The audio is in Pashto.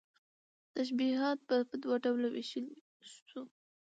تشبيهات په دوه ډوله ويشلى شو